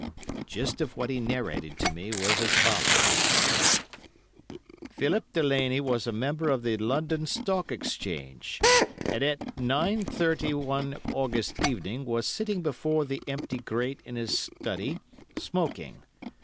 The gist of what he narrated to me was as follows:— "Philip Delaney was a member of the London Stock Exchange, and at nine thirty one August evening was sitting before the empty grate in his study, smoking.